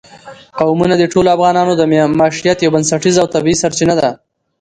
قومونه د ټولو افغانانو د معیشت یوه بنسټیزه او طبیعي سرچینه ده.